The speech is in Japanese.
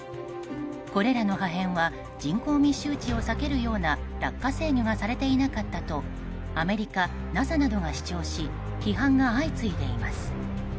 これらの破片は人口密集地を避けるような落下制御がされていなかったとアメリカ、ＮＡＳＡなどが主張し批判が相次いでいます。